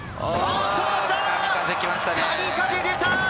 神風、出た！